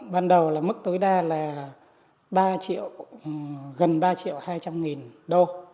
ban đầu là mức tối đa là ba triệu gần ba triệu hai trăm linh nghìn đô